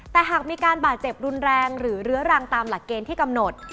แต่หากมีการบาดเจ็บรุนแรงหรือเรื้อรังตามหลักเกณฑ์ที่กำหนด